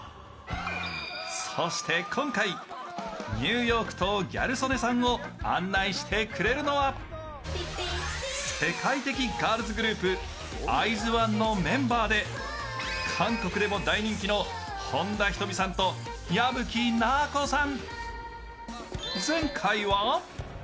そして今回、ニューヨークとギャル曽根さんを案内してくれるのは世界的ガールズグループ、ＩＺ＊ＯＮＥのメンバーで韓国でも大人気の本田仁美さんと矢吹奈子さん。